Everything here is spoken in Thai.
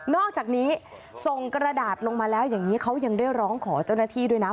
อกจากนี้ส่งกระดาษลงมาแล้วอย่างนี้เขายังได้ร้องขอเจ้าหน้าที่ด้วยนะ